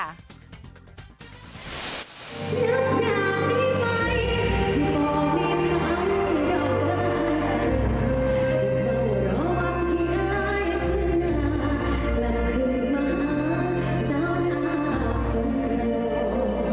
กลับขึ้นมาสาวหน้าของเรา